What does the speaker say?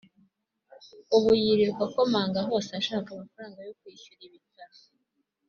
ubu yirirwa akomanga hose ashaka amafaranga yo kwishyura ibitaro